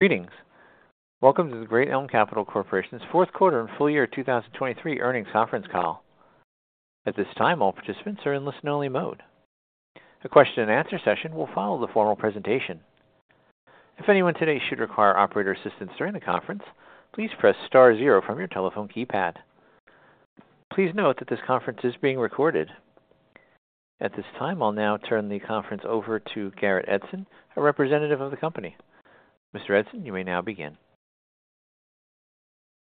Greetings. Welcome to the Great Elm Capital Corporation's Fourth Quarter and Full Year 2023 Earnings Conference Call. At this time, all participants are in listen-only mode. A question-and-answer session will follow the formal presentation. If anyone today should require operator assistance during the conference, please press star zero from your telephone keypad. Please note that this conference is being recorded. At this time, I'll now turn the conference over to Garrett Edson, a representative of the company. Mr. Edson, you may now begin.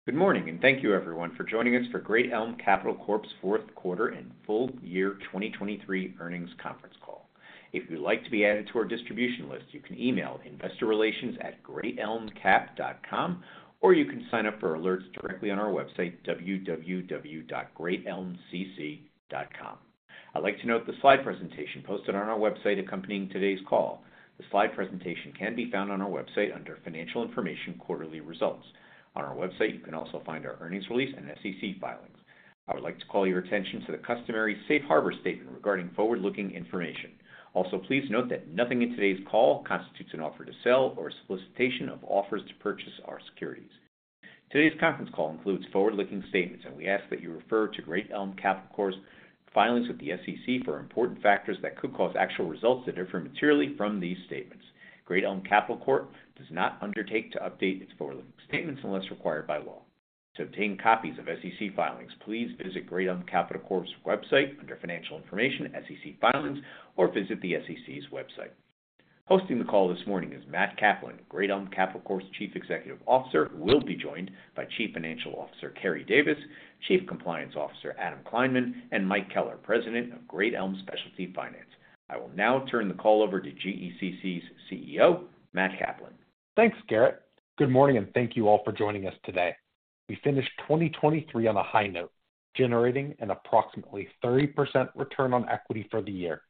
Good morning, and thank you, everyone, for joining us for Great Elm Capital Corp.'s Fourth Quarter and Full Year 2023 Earnings Conference Call. If you'd like to be added to our distribution list, you can email investorrelations@greatelmcap.com, or you can sign up for alerts directly on our website, www.greatelmcc.com. I'd like to note the slide presentation posted on our website accompanying today's call. The slide presentation can be found on our website under Financial Information Quarterly Results. On our website, you can also find our earnings release and SEC filings. I would like to call your attention to the customary safe harbor statement regarding forward-looking information. Also, please note that nothing in today's call constitutes an offer to sell or a solicitation of offers to purchase our securities. Today's conference call includes forward-looking statements, and we ask that you refer to Great Elm Capital Corp.'s filings with the SEC for important factors that could cause actual results that differ materially from these statements. Great Elm Capital Corp. does not undertake to update its forward-looking statements unless required by law. To obtain copies of SEC filings, please visit Great Elm Capital Corp.'s website under Financial Information, SEC Filings, or visit the SEC's website. Hosting the call this morning is Matt Kaplan, Great Elm Capital Corp.'s Chief Executive Officer, who will be joined by Chief Financial Officer Keri Davis, Chief Compliance Officer Adam Kleinman, and Mike Keller, President of Great Elm Specialty Finance. I will now turn the call over to GECC's CEO, Matt Kaplan. Thanks, Garrett. Good morning, and thank you all for joining us today. We finished 2023 on a high note, generating an approximately 30% return on equity for the year,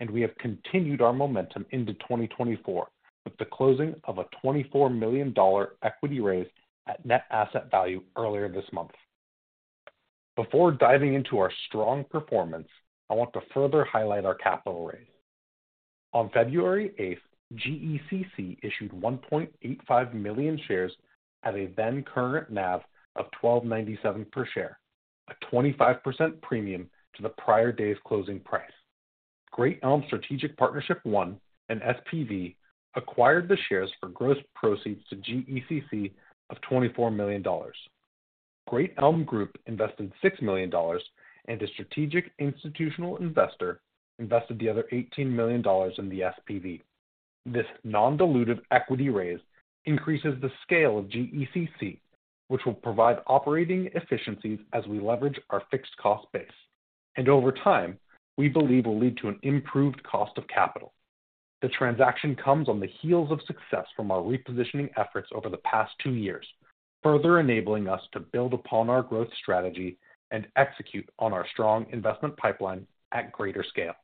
and we have continued our momentum into 2024 with the closing of a $24 million equity raise at net asset value earlier this month. Before diving into our strong performance, I want to further highlight our capital raise. On February 8th, GECC issued 1.85 million shares at a then-current NAV of $1,297 per share, a 25% premium to the prior day's closing price. Great Elm Strategic Partnership I, an SPV, acquired the shares for gross proceeds to GECC of $24 million. Great Elm Group invested $6 million, and a strategic institutional investor invested the other $18 million in the SPV. This non-dilutive equity raise increases the scale of GECC, which will provide operating efficiencies as we leverage our fixed-cost base, and over time, we believe will lead to an improved cost of capital. The transaction comes on the heels of success from our repositioning efforts over the past two years, further enabling us to build upon our growth strategy and execute on our strong investment pipeline at greater scale.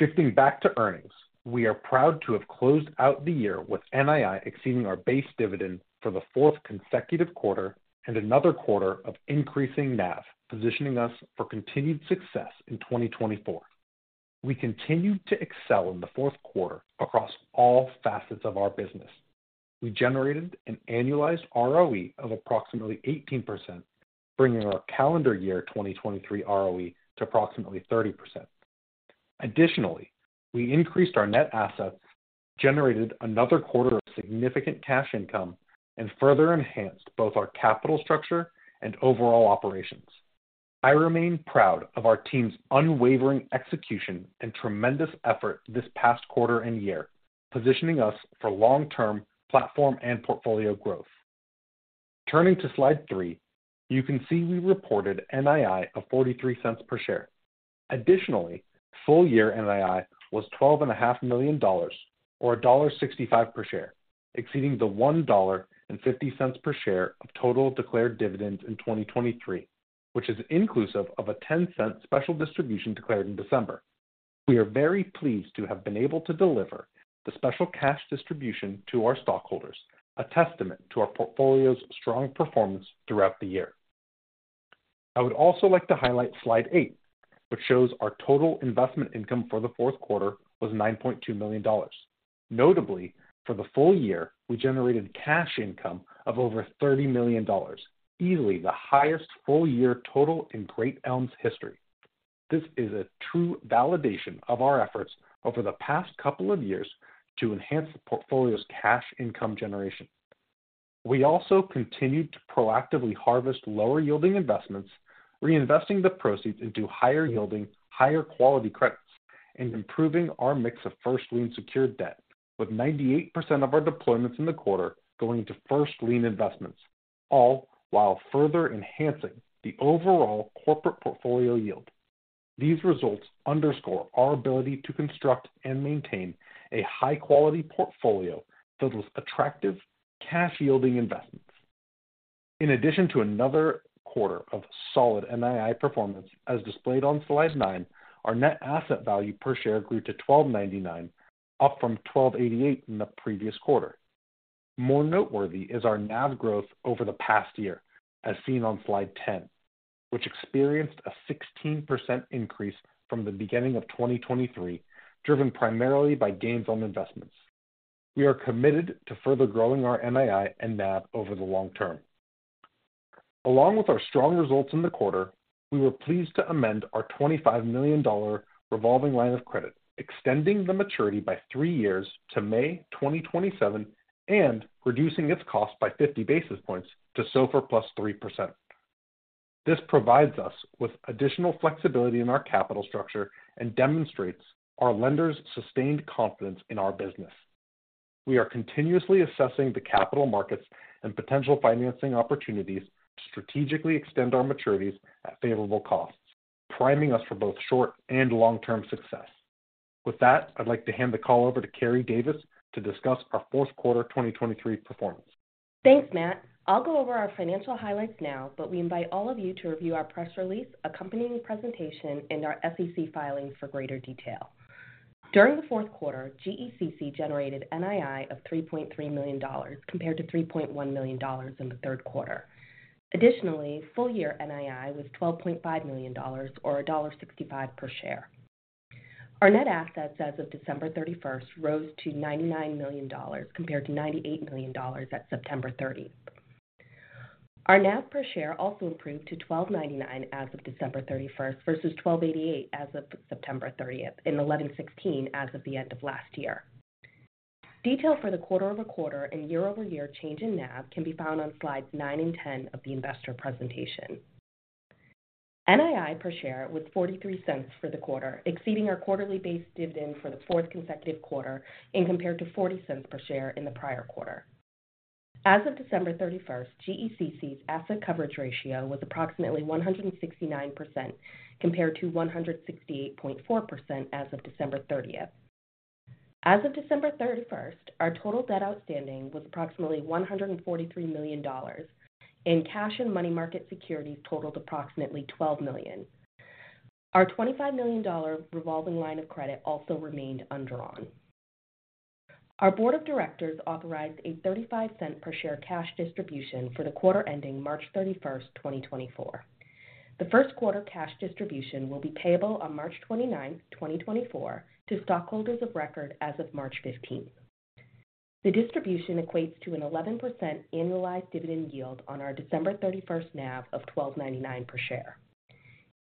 Shifting back to earnings, we are proud to have closed out the year with NII exceeding our base dividend for the fourth consecutive quarter and another quarter of increasing NAV, positioning us for continued success in 2024. We continued to excel in the fourth quarter across all facets of our business. We generated an annualized ROE of approximately 18%, bringing our calendar year 2023 ROE to approximately 30%. Additionally, we increased our net assets, generated another quarter of significant cash income, and further enhanced both our capital structure and overall operations. I remain proud of our team's unwavering execution and tremendous effort this past quarter and year, positioning us for long-term platform and portfolio growth. Turning to slide three, you can see we reported NII of $0.43 per share. Additionally, full year NII was $12.5 million or $1.65 per share, exceeding the $1.50 per share of total declared dividends in 2023, which is inclusive of a $0.10 special distribution declared in December. We are very pleased to have been able to deliver the special cash distribution to our stockholders, a testament to our portfolio's strong performance throughout the year. I would also like to highlight slide eight, which shows our total investment income for the fourth quarter was $9.2 million. Notably, for the full year, we generated cash income of over $30 million, easily the highest full-year total in Great Elm's history. This is a true validation of our efforts over the past couple of years to enhance the portfolio's cash income generation. We also continued to proactively harvest lower-yielding investments, reinvesting the proceeds into higher-yielding, higher-quality credits, and improving our mix of first-lien secured debt, with 98% of our deployments in the quarter going to first-lien investments, all while further enhancing the overall corporate portfolio yield. These results underscore our ability to construct and maintain a high-quality portfolio filled with attractive, cash-yielding investments. In addition to another quarter of solid NII performance, as displayed on slide nine, our net asset value per share grew to $1,299, up from $1,288 in the previous quarter. More noteworthy is our NAV growth over the past year, as seen on slide 10, which experienced a 16% increase from the beginning of 2023, driven primarily by gains on investments. We are committed to further growing our NII and NAV over the long term. Along with our strong results in the quarter, we were pleased to amend our $25 million revolving line of credit, extending the maturity by three years to May 2027 and reducing its cost by 50 basis points to SOFR plus 3%. This provides us with additional flexibility in our capital structure and demonstrates our lenders' sustained confidence in our business. We are continuously assessing the capital markets and potential financing opportunities to strategically extend our maturities at favorable costs, priming us for both short and long-term success. With that, I'd like to hand the call over to Keri Davis to discuss our fourth quarter 2023 performance. Thanks, Matt. I'll go over our financial highlights now, but we invite all of you to review our press release, accompanying presentation, and our SEC filings for greater detail. During the fourth quarter, GECC generated NII of $3.3 million compared to $3.1 million in the third quarter. Additionally, full-year NII was $12.5 million or $1.65 per share. Our net assets as of December 31st rose to $99 million compared to $98 million at September 30th. Our NAV per share also improved to $1,299 as of December 31st versus $1,288 as of September 30th and $1,116 as of the end of last year. Detail for the quarter-over-quarter and year-over-year change in NAV can be found on slides nine and 10 of the investor presentation. NII per share was $0.43 for the quarter, exceeding our quarterly base dividend for the fourth consecutive quarter and compared to $0.40 per share in the prior quarter. As of December 31st, GECC's asset coverage ratio was approximately 169% compared to 168.4% as of December 30th. As of December 31st, our total debt outstanding was approximately $143 million and cash and money market securities totaled approximately $12 million. Our $25 million revolving line of credit also remained undrawn. Our board of directors authorized a $0.35 per share cash distribution for the quarter ending March 31st, 2024. The first quarter cash distribution will be payable on March 29th, 2024, to stockholders of record as of March 15th. The distribution equates to an 11% annualized dividend yield on our December 31st NAV of $1,299 per share.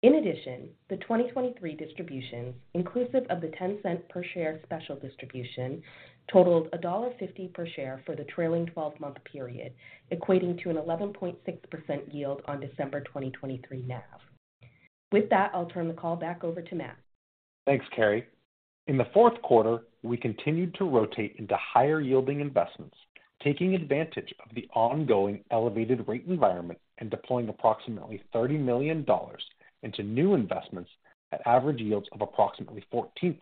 In addition, the 2023 distributions, inclusive of the $0.10 per share special distribution, totaled $1.50 per share for the trailing 12-month period, equating to an 11.6% yield on December 2023 NAV. With that, I'll turn the call back over to Matt. Thanks, Keri. In the fourth quarter, we continued to rotate into higher-yielding investments, taking advantage of the ongoing elevated rate environment and deploying approximately $30 million into new investments at average yields of approximately 14%,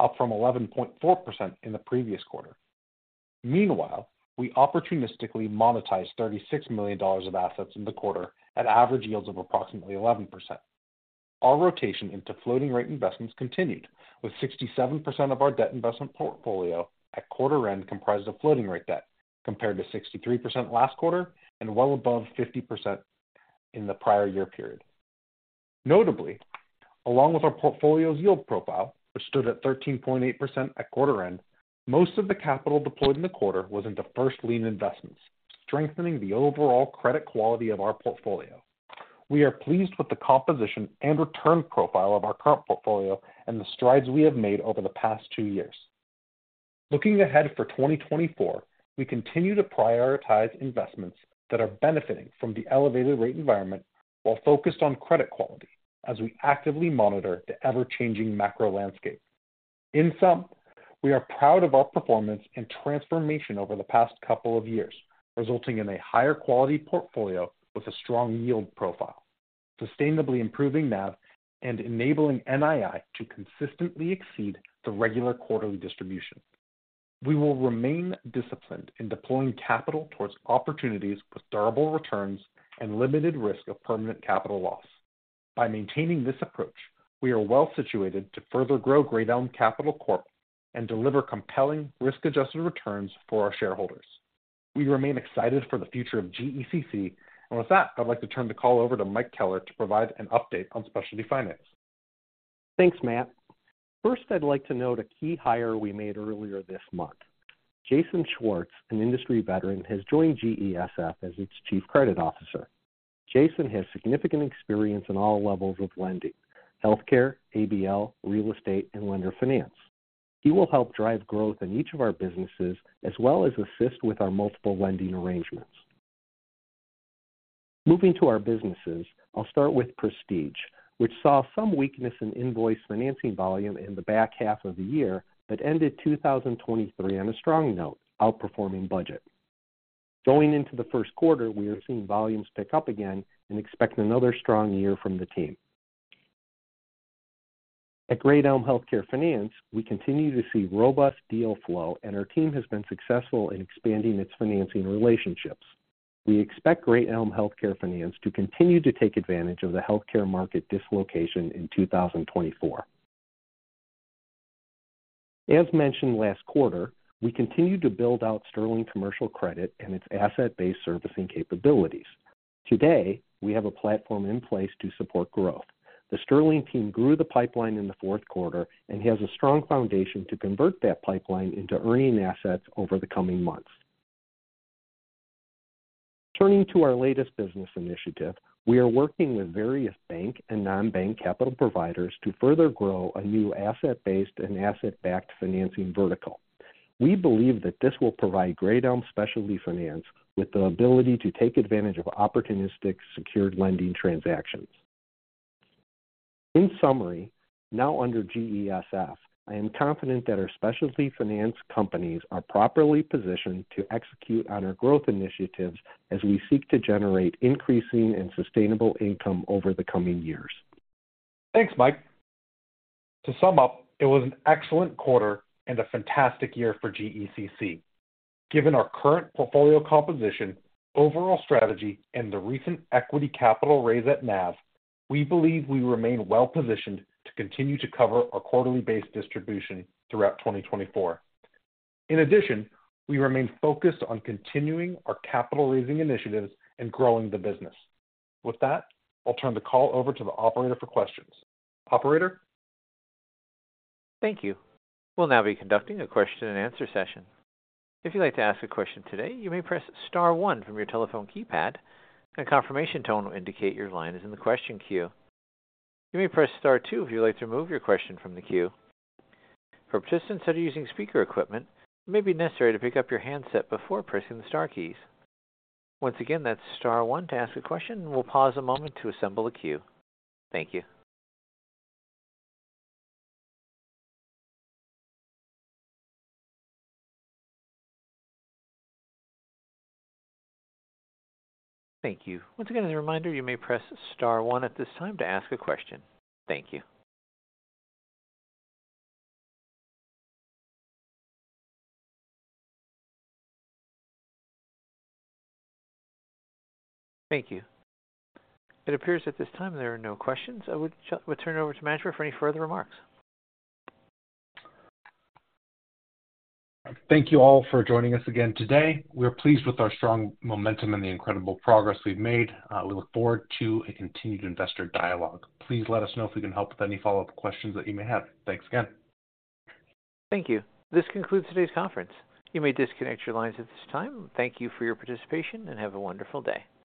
up from 11.4% in the previous quarter. Meanwhile, we opportunistically monetized $36 million of assets in the quarter at average yields of approximately 11%. Our rotation into floating-rate investments continued, with 67% of our debt investment portfolio at quarter-end comprised of floating-rate debt compared to 63% last quarter and well above 50% in the prior year period. Notably, along with our portfolio's yield profile, which stood at 13.8% at quarter-end, most of the capital deployed in the quarter was into first-lien investments, strengthening the overall credit quality of our portfolio. We are pleased with the composition and return profile of our current portfolio and the strides we have made over the past two years. Looking ahead for 2024, we continue to prioritize investments that are benefiting from the elevated rate environment while focused on credit quality as we actively monitor the ever-changing macro landscape. In sum, we are proud of our performance and transformation over the past couple of years, resulting in a higher-quality portfolio with a strong yield profile, sustainably improving NAV, and enabling NII to consistently exceed the regular quarterly distributions. We will remain disciplined in deploying capital towards opportunities with durable returns and limited risk of permanent capital loss. By maintaining this approach, we are well-situated to further grow Great Elm Capital Corp. and deliver compelling, risk-adjusted returns for our shareholders. We remain excited for the future of GECC, and with that, I'd like to turn the call over to Mike Keller to provide an update on specialty finance. Thanks, Matt. First, I'd like to note a key hire we made earlier this month. Jason Schwartz, an industry veteran, has joined GESF as its Chief Credit Officer. Jason has significant experience in all levels of lending: healthcare, ABL, real estate, and lender finance. He will help drive growth in each of our businesses as well as assist with our multiple lending arrangements. Moving to our businesses, I'll start with Prestige, which saw some weakness in invoice financing volume in the back half of the year but ended 2023 on a strong note, outperforming budget. Going into the first quarter, we are seeing volumes pick up again and expect another strong year from the team. At Great Elm Healthcare Finance, we continue to see robust deal flow, and our team has been successful in expanding its financing relationships. We expect Great Elm Healthcare Finance to continue to take advantage of the healthcare market dislocation in 2024. As mentioned last quarter, we continued to build out Sterling Commercial Credit and its asset-based servicing capabilities. Today, we have a platform in place to support growth. The Sterling team grew the pipeline in the fourth quarter and has a strong foundation to convert that pipeline into earning assets over the coming months. Turning to our latest business initiative, we are working with various bank and non-bank capital providers to further grow a new asset-based and asset-backed financing vertical. We believe that this will provide Great Elm Specialty Finance with the ability to take advantage of opportunistic secured lending transactions. In summary, now under GESF, I am confident that our specialty finance companies are properly positioned to execute on our growth initiatives as we seek to generate increasing and sustainable income over the coming years. Thanks, Mike. To sum up, it was an excellent quarter and a fantastic year for GECC. Given our current portfolio composition, overall strategy, and the recent equity capital raise at NAV, we believe we remain well-positioned to continue to cover our quarterly base distribution throughout 2024. In addition, we remain focused on continuing our capital-raising initiatives and growing the business. With that, I'll turn the call over to the operator for questions. Operator? Thank you. We'll now be conducting a question-and-answer session. If you'd like to ask a question today, you may press star one from your telephone keypad, and a confirmation tone will indicate your line is in the question queue. You may press star two if you'd like to remove your question from the queue. For participants that are using speaker equipment, it may be necessary to pick up your handset before pressing the star keys. Once again, that's star one to ask a question, and we'll pause a moment to assemble a queue. Thank you. Thank you. Once again, as a reminder, you may press star one at this time to ask a question. Thank you. Thank you. It appears at this time there are no questions. I would turn it over to manager for any further remarks. Thank you all for joining us again today. We are pleased with our strong momentum and the incredible progress we've made. We look forward to a continued investor dialogue. Please let us know if we can help with any follow-up questions that you may have. Thanks again. Thank you. This concludes today's conference. You may disconnect your lines at this time. Thank you for your participation, and have a wonderful day.